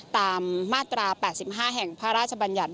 ตามมาตรา๘๕แห่งพระราชบัญญัติ